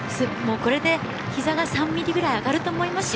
これで膝が３ミリぐらい上がると思いますよ。